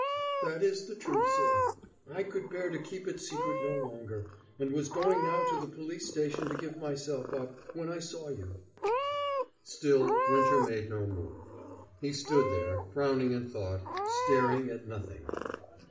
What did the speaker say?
"That is the truth, sir. I could bear to keep it secret no longer, and was going now to the police station to give myself up, when I saw you." Still Winter made no move. He stood there, frowning in thought, staring at nothing.